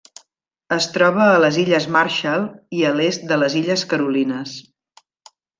Es troba a les Illes Marshall i a l'est de les Illes Carolines.